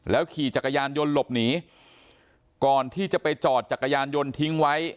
ขี่จักรยานยนต์หลบหนีก่อนที่จะไปจอดจักรยานยนต์ทิ้งไว้